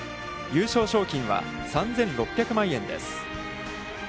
優勝賞金は、３６００万円です。